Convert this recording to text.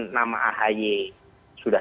nama ahy sudah